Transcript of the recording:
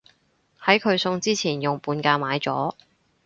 喺佢送之前用半價買咗